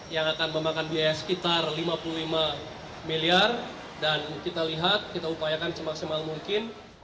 yang akan memakan biaya sekitar lima puluh lima miliar dan kita lihat kita upayakan semaksimal mungkin